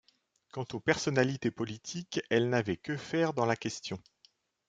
Quant aux personnalités politiques, elles n’avaient que faire dans la question.